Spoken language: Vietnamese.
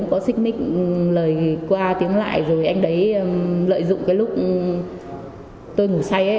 anh ấy cũng có xích mích lời qua tiếng lại rồi anh đấy lợi dụng cái lúc tôi ngủ say ấy